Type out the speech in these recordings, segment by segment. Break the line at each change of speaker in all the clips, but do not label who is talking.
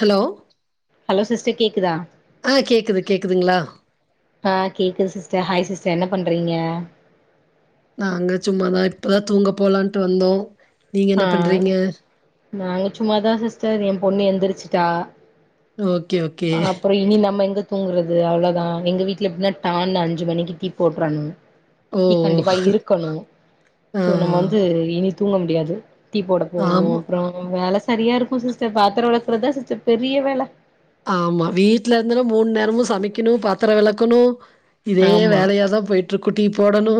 Hello
hello sister கேக் கிதா
ஆ கேட்குது கேட்குதுங்களா?
ஆஹ் கேக்குது சிஸ்டர் ஹாய் சிஸ்டர் என்ன பண்றீங்க அ
நாங்க சும்மாதா இப்பதா தூங்க போலான்ட்டு வந்தோ
ஆஹ் நாங்க சும்மாதா சிஸ்டர் எ பொண்ணு எந்திரிச்சிட்டா
ஓகே, ஓகே.
அ அப்ற இனி நம்ம எங்க தூங்குறது அவ்வளவுதா எங்க வீட்டுல எப்டினா டான்னு அஞ்சு மணிக்கு டீ போட்றனு
ஓ!
[unintelligible] கண்டிப்பா இருக்கணு
ஆ
சோ நம்ம வந்து இனி தூங்க முடியாது. டீ போட போணு
ஆமா,
அப்புறோ வேல செ சரியா இருக்கும் சிஸ்டர் பாத்ர வெளக்றதா சிஸ்டர் பெரிய வேல
ஆமா வீட்ல இருந்துனு மூன் நேரமு சமைக்கணு பாத்தர வெளக்கணு இதே
ஆமா
வேலையாதா போயிட்டுருக்கு, டீ போடணு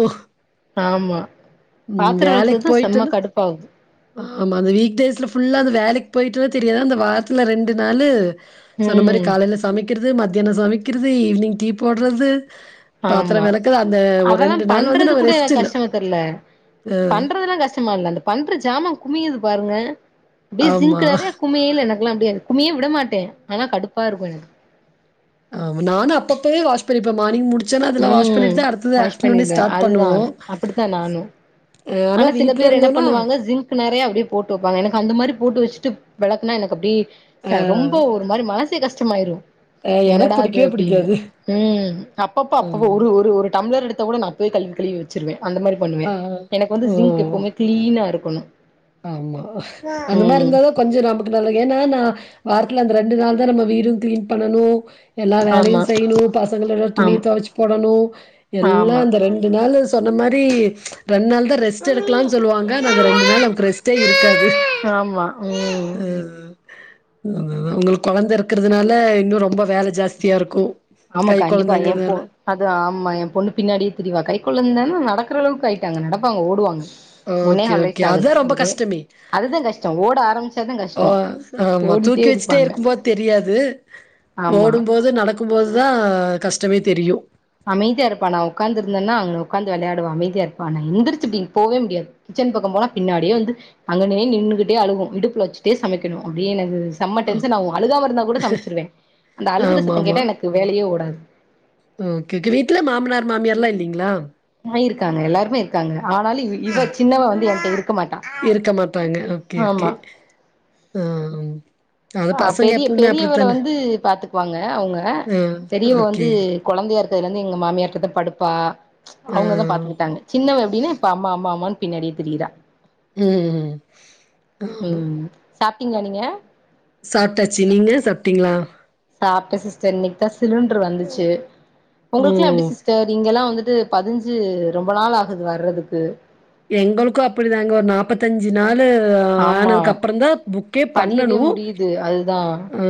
ஆமா
உம்
பாத்திரோ
வேலைக்கு
வெளக்குறதுதா செம்ம
போய்டனு
கடுப்பாகுது
ஆமா அந்த வீக்டேஸ்ல புல்லா அந்த வேலைக் போயிட்டாலா தெரியாது அந்த வாரதுல ரெண்டு நாலு சொன்ன மாரி
ம்
காலைல சமைக்கிறது மத் தெனு சமைக்கிறது ஈவ்னிங் டீ போட்றது
ஆமா அதெல்லாம்
நாள் வந்து
பண்றது
நம்ம
கூட
ரெஸ்ட்
எனக்கு
இல்ல.
கஷ்டமா தெர்ல பண்றதுெல்லாம் கஷ்டமா இல்ல அந்த பண்ற ஜாமான் குமியுது பாருங்க. சிங்க்
ஆமா.
நெறைய குவியல என எல்லாம் அப்டியே குமியே விட மாட்டேன் ஆனா கடுப்பா இருக்கும் எனக்கு.
ஆமா நானு அப்பப்பவே வாஷ் பன்னிபே மானிங் முடி ச்சன் அதெலாம் வாஷ்
ம்
பண்ணிட்டு தா அடுத்தது
வாஷ்
ஆப்டர்னுனே
பண்ணிடுவே
ஸ்டார்ட்
அதுதா
பண்ணுவோம்
அப்டித்தா நானு
அ
ஆனா சில
வீட்ல
பேர் என்ன
இருந்தோம்னா,
பண்ணுவாங்க ஸிங்க் நெறைய அப்டியே போட்டு வெப்பாங்க எனக்கு அந்த மாரி போட்டு வச்சுட்டு.. வெளக்குனா எனக்கு அப்டி
அ
சார் ரொம்ப ஒரு மாரி மனசே கஷ் ஷ்டமாயிரு
அ எனக்கு
என்னடா அது
பிடிக்கவே
அப்டின்னு
பிடிக்காது.
ம் அப்பப்ப அப்பப்ப
ம்.
ஒரு ஒரு ஒரு டம்ளர் எடுத்த கூட நா போய் கழுவி கழுவி வெச்சிருவே அந்த மாரி பண்ணுவே
ஆ.
வந்து
ஓ!
ஜிங்க் எப்பவுமே க்ளீன் னா இருக்குணு
ஆமா அந்த மாரி இருந்தாதா கொஞ்ச நமக்கு நல்லது ஏன்னா நா வாரத்துல அந்த ரெண்டு நாள் தா நம்ம வீடூ கிளீன் பண்ணனு எல்லா வேலையு
ஆமா
செய்யணு பசங்கலோட
ஆம்
துணிய தெவச்சு போடணு எல்லா
ஆமா
அந்த ரெண்டு நாள்ல சொன்ன மாரி ரெண்டு நாள் தா ரெஸ்ட் எடுக்காலுனு சொல்லுவாங்க ஆனா அந்த ரெண்டு நாள்ல ரெஸ்டே இருக்காது
ஆமா ம்
உம் ம்ம் உங்களுக்கு கொழந்தை இருக்கிறதுனால இன்னு ரொம்ப வேல ஜாஸ்தியா இருக்கு
ஆமா
கை
கண்டிப்பா எ பொ
கொழந்தைங்கிறதுனால
அது ஆமா எ பொண்ணு பின்னாடியே திரிவா கைக்கொழந்தேனா நடக் டக்கறளவுக்கு ஆயிட்டாங்க நடப்பாங்க ஓடுவாங்க ஒன்னே
ஓகே
கால்
ஓகே
வயசு
அதா
ஆகுது
ரொம்ப
ஒரு
கஷ்டமே
அதுதா கஷ்டோ ஓட ஆரம்பிச்சாதா
ஓ
கஷ்டோ
ஆமா
ஓடிட்டே
தூக்கி வச்சுட்டே
இருப்பாங்க
இருக்கும்போது தெரியாது
ஆமா
ஓடும்போது நடக்கும்போது தா கஷ்டமே தெரியு
அமைதியா இருப்பா நா உக்காந்து இருந்தேன்னா அங்க உக்காந்து விளையாடுவ அமைதியா இருப்பா நா எந்திரிச்சு இப்டி போவே முடியாது கிச்சன் பக்க போனா பின்னாடியே வந்து அங்கனே நின்னுகிட்டே அழுகு இடுப்புல வச்சுட்டே சமைக்கணு அப்டியே எனக் செம்ம
ஆ
டென்சினாகு அழுகாம இருந்தா கூட சமைச்சிருவே அந்த அழுகுற
ஆமா
சத்த
ஆமா
கேட்ட எனக்கு வேலையே ஓடாது
ட்ல்ல மாமனார் மாமியார்ல இல்லேங்களா
இருக்காங்க எல்லாருமே இருக்காங்க ஆனாலு
ஆ
இவ சின்னவ வந்து என்ட்ட இருக்க மாட்டா
இருக்க மாட்டாங்க ஓகே ஓகே
ஆமா
ஆ ம். அது
ஆஹ்
பசங்க
பெரிய
எப்பவுமே
பெரியவள
அப்படித்தானே
வந்து பாத்துக்குவாங்க அவங்க
ஆ
பெரியவ
ஓகே
வந்து கொழந்தையா இருக் துலர்ந்து எங்க மாமியார் கிட்ட படுப்பா
ஆ
அவுங்கதா பாத்துக்கிட்டாங்க சின்னவ இவ இப்ப அம்மா அம்மா அம்மான்னு பின்னாடியே திரியிரா
உஹம் ஆமா
டீங்க நீங்க
சாப்டாச்சு நீங்க சாப்டீங்களா
சாப்ட சிஸ்டர் இன்னைக்கு தா சிலிண்ட்ரு வந்துச்சு ஒங்களுக்குலா
ஓ
எப்டி சிஸ்டர் இங்கெலா வந்துட் து பதிஞ்சு ரொம்ப நாள் ஆகுது வர்றதுக்கு
எங்களுக்கூ அப்டிதாங்க ஒரு நாப்பத்தஞ்சி நாள் லு
ஆமா
ஆனதுக்கு அப்பறம் தா புக்கே
பதியவே
பண்ணணு
முடியுது அதுதா
ஆ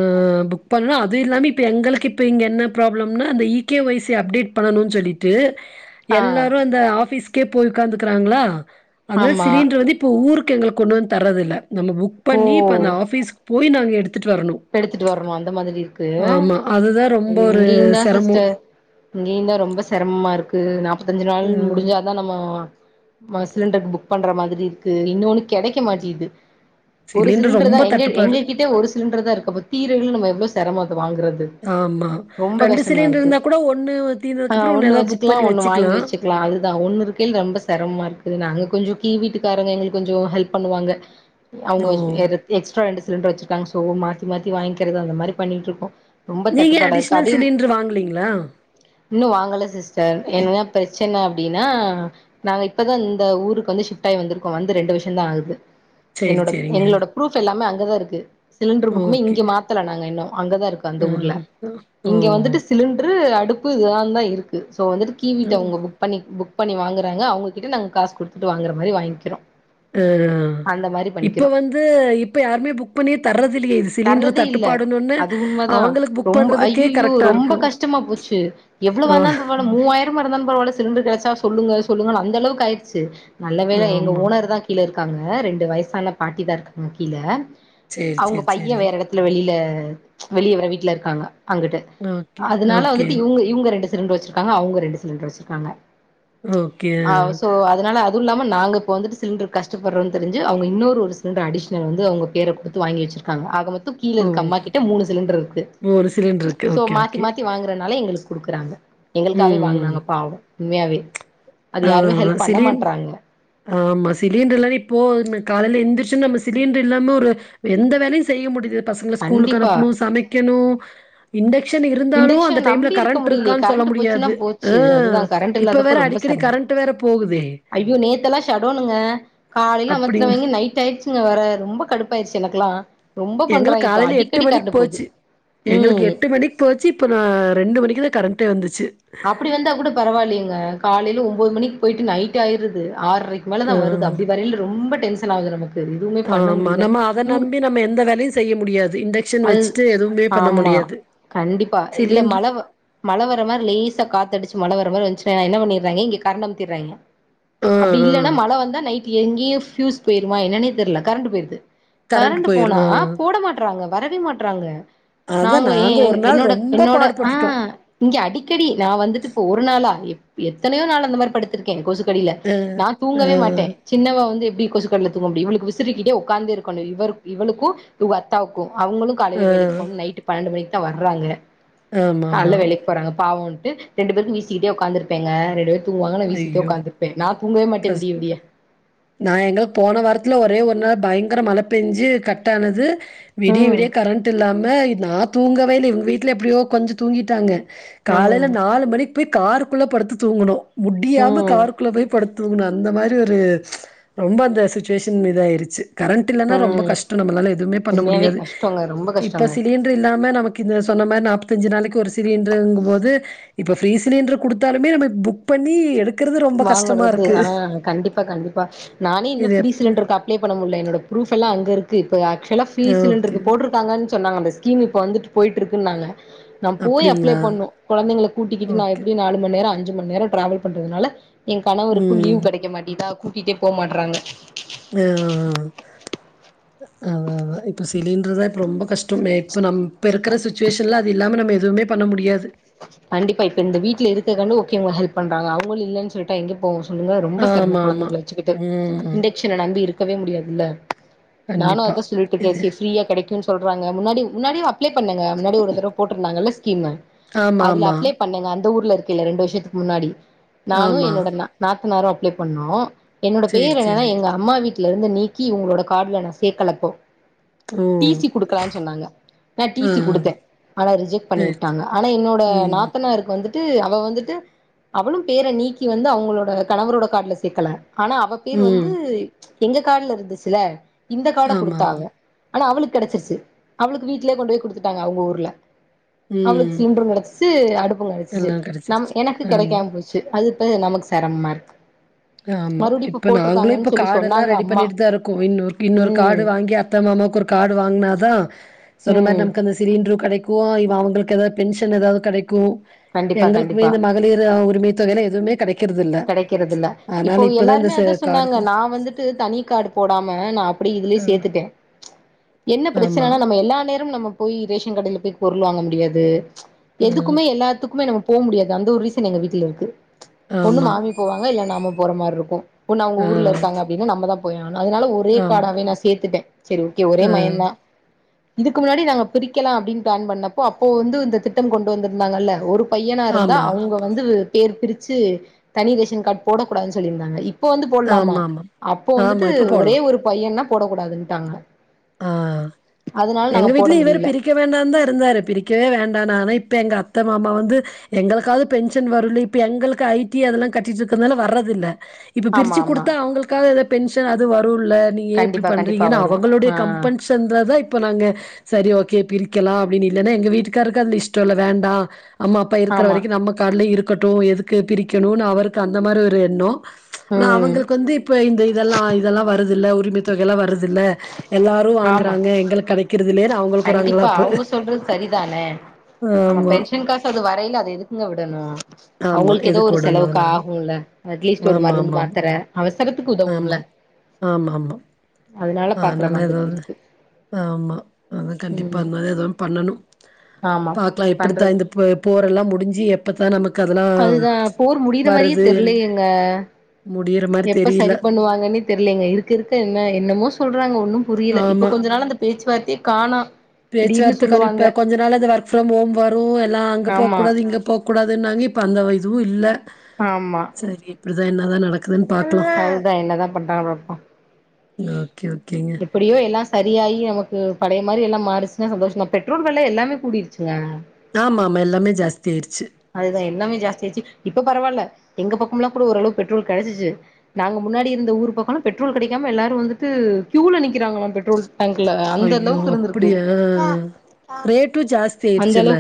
புக் பண்னா அது இல்லாம இப்ப எங்களுக்கு இப்ப இங்க என்ன ப்ராப்ளம்னா அந்த இகேஒய்சி அப்டேட் பண்ணணும் சொல்லிட்டு
ஆ
எல்லாரு அந்த ஆபிஸ் கே போய் உக்காந்துக்றாங்ளா ஆ அந்தா
ஆமா
சிலிண்டரு வந்து இப்ப ஊருக் கெங்களுக் கொன்னுவந் தர்ரதில்ல நம்ம புக்
ஓ
பண்ணி இப்ப அந்த ஆஃபீஸ் போய் நாங்க எடுத்
எடுத்துட்டு வரணு அந்த மாதிரி இருக்கு
ஆமா. அதுதான் ரொம்ப ஒரு
இங்கியும் தா
சிரமம்.
சிஸ்டர் இங்கியும் தா ரொம்ப செரமமா இருக்கு நா பதிஞ்சு நாள்
ம்.
முடிஞ்சா தா நம்ம ம சிலிண்டர் புக் பண்ற மாதுரி இருக்கு இன்னொன்னு கெடைக்க மாட்டிது ஒரு
சிலிண்டர்
சிலிண்ரு தா
ரொம்ப
எங்கள்
தட்டுப்பாடு.
எங்க கிட்டே ஒரு சிலிண்ரு தாயிருக் [unintelligible] எவ்ளோ செரமம் த வாங்குறது
ஆமா.
ரொம்ப
சிலிண்டர்
கஷ்டமாருக்கு
இருந்தா கூட
ஆஹ்
தீர்ந்ததுக்கப்புறம்,
ஒண்ணு
ஏதாவது புக்
வச்சுக்குலா
பண்ணி
ஒண்ணு வாங்கி
வச்சுக்கலாம்.
வச்சுக்குலா அதுதா ஒண்ணு இருக்கையில ரொம்ப செரம்மா இருக்குது நாங்க கொஞ்சும் கீ வீட்டுக்காரங்க எங்ளுக் கொஞ்சோ ஹெல்ப் பண்ணுவாங்க அவுங்க
ஓ!
வேர எக்ஸ்ட்ரா ரெண்டு சிலிண்டர் வெச்சிருக்காங்க [unintelligible] துமாத்தி வாங்கிறது அந்த மாரி பண்ணிட்ருக்கோ ரொம்ப
நீங்க
தட்டுப்பாடாருக்கு
அடிஷ்னல்
அதிம்
சிலிண்ட்ரு வாங்கலீங்களா?
இன்னு வாங்கல சிஸ்டர் என்ன பிர ச்சன்ன அப்டினா நாங்க இப்பதா இந்த ஊருக்கு வந்து ஷிஃப்ட்டாயி வந்துருக்கோ வந்து ரெண்டு வருஷோந்தா ஆகுது
சேரி
என்னோட
சேரிங்க.
எங்களோட ப்ரூப் எல்லாமே அங்கதா இருக்கு சிலிண்ரு புக்
ஓகே.
இங்க மாத்தல நாங்க இன்னு அங்கதா இருக்கு அந்த
ஆ
ஊர்ல
ஆ ஓ!
இங்க வந்துட்டு சிலிண்ரு து அடுப்பு இதுலாந்தா இருக்கு தோ வந்துட்டு
ஓ!
கீவீட்ட அவுங்க புக் பண்ணி புக் பண்ணி வாங்குறாங்க அவுங்ககிட்ட நாங்க காஸ் குடுத்துட்டு வாங்குற மாரி வாங்கிறோம்
அஹ் இப்ப வந்து இப்ப யாருமே புக் பண்ணியே தர்துல்லியே இஸ்
தர்றதே இல்ல அது உண்ம தான்
அவங்களுக்கு புக்
ரொம்ப
பண்றதுக்கே
ஐயோயோ
கரெக்ட்டா
ரொம்ப
இருக்கும்.
கஷ்டமா போச்சு
ஆ
எவ்ளவாந்தாலும் மூவாயரமா இருந்தாலும் பரவால சிலிண்டர் கெடச்சா சொல்லுங்க சொல்லுங்கனு அந்தளவுக்கு ஆயிர்ச்சு நல்ல வேல எங்க
ஆமா.
ஓனர் தான் கீலரு இருக்காங்க ரெண்டு வயசான பாட்டி தான் இருக்காங்க கீழே
செரி செரி
ஐ
செர்
வேற ஏடத்துல வெளியில அளிய வர வீட்டுல இருக்காங்க அங்கட்டு
ஓகே
அதனால
ஓகே
வந்துட்டு இவங்க இவங்க ரெண்டு சிலிண்டர் வச்சிருக்காங்க அவங்க ரெண்டு சிலிண்டர் வெச்சிருக்காங்க
ஓகே. ஆ.
ஆஹ் சோ அதனால அ அது இல்லாம நாங்க இப்போ வந்துட்டு சிலிண்டர் கஷ்ப்படுறோன்னு தெரிஞ்ச அவங்க இன்னொரு சிலிண்டர் அடிஷனல் ஆ அவங்க பேரை குடுத்து வாங்கி வச்சுருக் ஆ ஆக மொத் கீழே
ஓ!
இருக்கு அம்மா கிட்ட மூணு சிலிண்டர் இருக்கு
ஒரு சிலிண்டருக்கு.
சோ
ஓகே
மாத்தி
ஓகே.
மாத்தி வாங்குறனால எங்களுக்கு குடுக்குறாங்க எங்களுக்காவே வாங்கினாங்க பாவம் உண்மையாவே அது யாருமே
ஆஆ
ஹெல்ப் பண்ண
சிலி
மாட்றாங்க
ஆமா சிலிண்டர் எல்லாம் இப்போ காலையில எழுந்திரிச்சு நம்ம சிலிண்டர் இல்லாம ஒரு எந்த வேலையும் செய்ய முடியுது பசங்கள ஸ்கூலுக்கு
கண்டிப்பா
அனுப்பணும் சமைக்கணும் இந்த ஷென் இருந்தாலும் அந்த
இண்டக்ஷன்
டைம்ல
நம்பி இருக்க
கரண்ட்
முடியலையே
இருக்கான்னு சொல்ல
கரண்ட் போச்சுன்னா
முடியாது
போச்சு அதுதா கரண்ட்
இப்ப வேற
இல்லாதப்ப ரொம்ப
அடிக்க
ஐயோ நேத்த எல்லாம் சட்டவுனுங்க காலையில
அப்டின்னு
அமத்தனவங்க நைட் ஆயிடுச்சுங்க வேற ரொம்ப கடுப்பாயிடுச்சு எனக்கெல்லாம்
எங்களுக்கு காலையில் எட்டு மணிக்கு போச்சு எங்களுக்கு
ம்
எட்டு மணிக்கு போச் சு இப்போ நான் ரெண்டு மணிக்கு தான் கரண்டே வந்துச்சு
அப்படி வந்தா கூட பரவாயில்லெங்க காலையில ஒம்பது மணிக்கு போயிட்டு நைட் ஆயிடுது ஆறரைக்கு மேல
ஆ.
தான் வருது அப்படி வரைய ரொம்ப டென்ஷன் ஆகுது நமக்கு எதுவுமே பண்ண
ஆமா.
முடியல
நம்ம அத நம்பி நம்ம எந்த வேலையும் செய்ய முடியாது. இண்டக்ஷன்
அ
வச்சுட்டு எதுவுமே பண்ண
ஆமா
முடியாது.
கண்டிப்பா இல்ல
சிலிண்டர்
மழ மழை வர்ர மாதிரி லேசா காத்து அடிச்சு மழை வர மாதிரி வச்ச என்ன பண்ணறாங்கனா இங்க கரண்ட் அமுத்திறாங்க
ஆ,
அப்படி
ஆ.
இல்லன்னா மழ வந்தா நைட் எங்கேயே பியூஸ் போயிருமா என்னன்னே தெரியல கரண்ட் போயிடுது
கரண்ட்
கரண்டு போனா
போயிரும். ஆ.
போட மாட்டறாங்க வரவே மாட்டுறாங்க
அதான்
நாங்க எ
ஒரு நாள்
என்னோட
ரொம்ப
என்னோட
பாடுபட்டுட்டோம்.
ஆஹ் இங்க அடிக்க நா வந்துட்டு இப்ப ஒரு நாளா எத்தனோ நாள் அந்த மாதிரி படுத்திருக்கே கொசு கடியில
அ
நா
அ
தூங்கவே மாட்டே சின்னவ வந்து எப்படி கொசு கடில தூங்க முடியுமா இவளுக்கு விசிறிக்கிட்டே உட்காந்து இருக்கண இவளுக்கும் உங்க அத்தாவுக்கு அவுங்களோ
அ
காலைல வேலைக்கு போனு நைட் பன்னெண்டு மணிக்கு தா வர்றாங்க
ஆமாமா
பாவோன்ட்டு ரெண்டு பேருக்கு வீசிக்கிட்டே உக்காந்திருப்பேங்க ரெண்டு பேரு தூங்குவாங்க நா வீசிட்டே உக்காந்திர்பே நா தூங்கவே மாட்டே விடிய
கஷ்டோ
விடிய
நா இன்னோ போன வார்த்தல ஒரே ஒரு ன பைங்கர மழ பெஞ்சு கட் ஆனது விடிய
ம்
விடிய கரண்ட் இல்லாம வை நா தூங்கவே இல்ல இவுங்க வீட்ல எப்டியோ கொஞ்ச தூங்கிட்டாங்க காலைல
ம்
நாலு மணிக் போய் காரு குள்ள படுத்து தூங்குணோ முடியாம
ம்
காருக் குள்ள போய் உ அந்த மாரி ஒரு ச்ச ரொம்ப அந்த சிச்சுவேஷன் இது ஆயிருச்சு கரண்ட் இல்லன்னா ரொம்ப
ம்
கஷ்டோ நம்மளால எதுமே பண்ண
உண்மையாவே
முடியாது
கஷ்டங்க ரொம்ப
இப்ப
கஷ்டங்க
சிலிண்ரு இல்லாம நமக் கீத சொன்ன மாரி நாற்பத்தஞ்சு நாளைக்கு ஒரு சிலிண்டங்கு போது இப்ப ஃப்ரி சிலிண்டர் கொடுத்தாலுமே நம புக் பண்ணி எடுக் க்கிருந்து ரொம்ப கஷ்
வரது ஆ கண்டிப்பா கண்டிப்பா நானே இன்னு
இது
ஃப்ரி
எப்ப
சிலிண்டருக்கு அப்ளெ பண்ண முடிய என்னோடரூப் எல்லா அங்க இருக்கு இது ஆக்சுவலா ஃப்ரி
ஓகே
சிலிண்டருக்கு போட்டிருக்காங்கன்னு சொன்னாங் இந்த ஸ்கீம் இப்ப வந்துட்டு போயிட்ருக்குனாங்க நா போய் அப்ளே
அப்டிங்களா
பண்ணெ கொலாந்தைள கூட்டிக்கிட்டு நா
ஓகே
எப்டி நாலு மணி நேரொ அஞ் அஞ்சு மணி நேரொ டிராவல் பண்றதுனால எ கணவருக்கு
ம்
லீவ் கெடைக்க மாட்டிதா கு ட்டே போ மாட்றாங்க
அதாதா இப்ப சிலிண்டர இப்ப ரொம்ப கஷ் இப்ப நெ இப் நம் இருக்கிற சுச்சுவேஷன்ல அது இல்லாம நம் எதுவுமே பண்ண முடியாது
கண்டிப்பா இப்ப இந்த வீட்ல இருக் ஒகே கண்ணு ஓகே உங்க ஹல்ப் பண்றாங்க அவங்களு இல்லன்னு சொல்டா எங்கே போவு சொல்லுங்க ரொம்ப சிரமொ
ஆமா ஆமா
குழந்தைகள வச்சுக்குடு
ம்
இண்டெக்ஷன நம்பி இருக் இருக்கவே முடியாதுல்ல நானு
கண்டிப்பா
அதா சொல்லிட்ருகே
இது
செ ஃப்ரீயா கிடைக்குன்னு சொல்றாங்க முன்னாடி முன்னாடிய அப்ளை பண்ணுங்க முன்னாடி ஒரு தடவ போட்டிருந்தாங்கள ஸ்கீமு
ஆமா
அதுல
ஆமா
அப்ளெ பண்ணெங்க அந் இந்த ஊல இருக்கல்ல ரெண்டு வருஷத்துக்கு முன்னாடி நானு
ஆமா
என்னோட ந நாத் எல்லாரோ அப்ளே பண்ணோ என்னோட
சேரி
பேர்
சேரி
என்னன்னா எங்க அம்மா வீட் வீட்ல இருந்து நீக்கி உங்களோட கால் ட்ல நா சேர்க்கலப்போ
ஓ
டிசி குடுக்கலா நு சொன்னாங்க நான்
ஆ
டிசி குடுத்தே ஆனா ரிஜெக்ட்
சேரி சேரி
பண்ணிவுட்டாங்க ஆனா என்னோட ஆ
ம்
நாத்தனாற்கு வந் வந்துட்டு அவ வந்து ஆனா அவ பேர் வந்து
ம்
எங்க கார்டுல இருந்துச்சுல இந்த கார்ட
ஆமா ஆமா
கொடுத்தாங்க ஆனா அவளுக்கு கிடைச்சிருச்சு அவளுக்கு வீட்லயே கொண்டுவோய் கொடுத்துட்டாங்க அவங்க ஊர்ல அவளுக்கு
ம்
சிலிண்ட்ர் கெடச் [unintelligible] [unintelligible] அடுப்பும் கிடைச்சச்சு
எல்லா
நம்
கெடச்சிருச்சு
எனக்கு
ஆமா
கெடக்காம போச்சு அதுப்ப நமக்கு சிரமமா இருக்கு
ஆமா
மறுபடி
இப்ப நாங்களு
போட்ருக்காங்கன்னு
இப்ப
சொல்லி
கார்ட எல்லா
சொன்னாங்க
ரெடி
அம்மா
பண்ணிட்டு தான் இருக்கோம் இன்னொரு இன்னொரு
ம்
கார்டு வாங்கி அத்த மாமாவுக்கு ஒரு கார்டு வாங்குனாதான் சொன்னமாரி
ம்
நமக்கு அந்த சிறிய என்று கிடைக்கு இவ அவங்களுக்கு ஏதாவது பென்ஷன் ஏதாவது கிடைக்கு க்கும்
கண்டிப்பா
எங்களுக்குமே
கண்டிப்பா
இந்த மகளர் உரிமைத் [unintelligible] எதுமே கடைக்
கிடைக்கறதில இப்போ
இந்த
எல்லாருமே
ச
அதான் சொன்னாங்க
கார்டுக்கு
நான் வந்துட்டு தனி கார்ட் போடாம நான் அப்படி இதுலயே
ஆ
சேர்த்துட்டேன் என்ன
ஆமா
பிரச்சனைனா நம்ம எல்லா நேரம் நம்ம போய் ரேஷன் கடையில போய் பொருள் வாங்க முடியாது
ம்
எதுக்குமே எல்லாத்துக்குமே நம போ முடியாது அந்த ஒரு ரீசன் எங்க வீட்ல இருக்கு ஒண்ணு
ஆமா
மாமி போவாங்க இல்ல நாம போற மாரிருக்கு ஒன்னு அவங்க
ஆ
ஊர்ல இருக்காங்க அப்டின்னா நம்ம தா போய் அதனால ஒரே
ஆமா
கார்டாவே நா சேத்துட்டே செரி ஓகே ஒரே
ஆ
மகெந்தா இதுக்கு முன்னாடி நாங்க பிரிக்கலா அப்டின்னு பிளான் பண்ணப்போ அப்போ வந்து இந்த திட்டம் கொண்டு வந்திருந்தாங்கல்ல ஒரு பையனா இருந்தா
ஆமா
அவங்க வந்து பேர் பிரிச் சி தனி ரேஷன் கார்ட் போட கூடாதுன் சொல்லிருந்தாங்க இப் இப்ப வந்து போடலாமா
ஆமா ஆமா
அப்போ
ஆமா
வந்துட்டு
இப்ப
ஒரே ஒரு பையன்னா போட கூடாதுன்ட்டாங்க
ஆஹ் எங்க
போட
வீட்ல இவரு
முடியல
பிரிக்க வேண்டான் தா இருந்தாரு பிரிக்கவே வேண்டானாரு இப்ப எங்க அத் த்த மாமா வந்து எங்களுக்காவது பென்ஷன் வருனு இப்போ எங்களுக்கு ஐ டி அதெல்லா கட்டிட்டுக்கிறதுனால வரதில்ல இப்ப
ஆமா
பிரிச்சு
ஆமா
கொடுத்தா அவங்களுக்காது எத பென்ஷன் அது வ ரூல்ல நீங்க ஏ எப்டி
கண்டிப்பா கண்டிப்பா
பண்றீங்கன்னா
வரு
அவங்களுடைய
ஆ
கம்பன்சன்ட்ரத இப்ப நாங்க சரி ஓகே பிரிக்கலா அப்டின்னு இல்லைன்னா எங்க வீட்டுக்காரருக்கு அதுல இஷ்டோ இல்ல வேண்டா அம்மா அப்பா இருக்கற
ஆமா
வரைக்கு நம்ம கால்ல இருக் கட்டு எதுக்கு பிரிக்கணுனு அவருக்கு அந்த மாரி ஒரு எண்ணம் ஆனா
ம்
அவங்களுக்கு வந்து இப்ப இந்த இதெல்லா இதெல்லா வ ரதில்ல உரிமை தொகையல்லா வரதில்ல எல்லாரு
ஆமா
வாங்குறாங்க எங்களுக்கு கெடைக்கற
கண்டிப்பா அவங்க சொல்றது சரிதானே நம்ம
ஆமா
பென்ஷன் காசு அது வரயில அத எதுக்குங்க விடணு
ஆமா
அவங்களுக்கு ஏதோ
எதுக்கு
ஒரு
விடணு
செலவுக்கு
அதனால
ஆகுல்ல அட்லீஸ்ட் ஒரு
ஆமா
மருந்து
ஆமா
மாத்தர அவசரத்துக்கு உதவும்ல அதனால
ஆஹ்
பாக்குற
நல்ல
மாதிரி
ஏதாவது
இருக்கு
ஆமா அதா கண்டிப்பா
ம்
அந்த மாரி எதா பண்ணணு
ஆமா
பாக்கலா எப்படி தா
பண்றது
இந்த ப போ போர் எல்லா முடிஞ்சு எப்பதா நமக்
அதுதா போர் முடியற மாரியே
என்
தெரியலயேங்க
முடியிற மாரி
எப்ப
தெரியல
சரி பண்ணுவாங்கன்னே தெர்லங்க இருக்கு இருக்க என்ன என்ன மோ சொல்றாங்க ஒன்னும் புரியல இப்ப கொஞ்ச நாள் அந்த பேச்சுவார்த்தையே காணா
பேச்சுவார்த்தக்கான இப்ப கொஞ்ச நாள் அந்த ஒர்க் ஃப்ரம் ஹோம் வரு எல்லா அங்க போ
ஆமா
கூடாது இங்க போக் கூடாதுன்னாங்க இப்போ அந்த இதுவு இல்ல
ஆமா
இப்படிதான் என்ன தான் நடக்
அம்மா அதுதான் என்னதான் பண்றாங்க பா
ஆஹ்
எப்படியோ எல்லாம் சரியாயி நமக்கு பழைய மாரி எல்லாம் மாறுச்சன்னா சந்தோஷம் பெட்ரோல் வெள எல்லாமே கூடிடுச்சுங்க
ஆமா ஆமா எல்லாமே ஜாஸ்
அதுதான் எல்லாமே ஜாஸ்தியாச்சு இப்ப பரவால்ல எங்க பக்கம்லாம் கூட ஓரளவு பெட்ரோல் கிடைச்சிச்சு நாங்க முன்னாடி இருந்த ஊர் பக்கம்ல பெட்ரோல் கெடைக்காம எல்லாரும் வந்துட்டு க்யூல நிக்கிறாங்களா பெட்ரோல் டேங்க்ல அந்த
ஐயோ
அளவுக்கு இருந்திருக்கு
அப்படியா ரேட்டும் ஜாஸ்தி
அந்த
ஆயிடுச்சுல்ல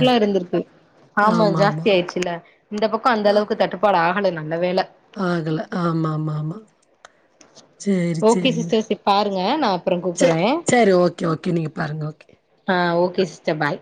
ஆமா ஆமா
தியாயிடுச்சுல்ல இந்த பக்கம் அந்த அளவுக்கு தட்டுப்பாடு ஆகலனாங்க நல்ல வேள
ஆகல ஆமா ஆமா ஆமா
ஓகே சிஸ்டர்ஸ் பாருங்க நான் அப்பறம்
சே
கூப்பறேன்
சரி, ஓகே, ஓகே. நீங்க பாருங்க. ஓகே.
ஆஹ் ஓகே கிஸ்டபாய்